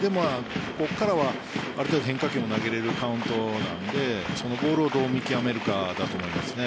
ここからは、ある程度変化球も投げられるカウントなのでそのボールをどう見極めるかだと思いますね。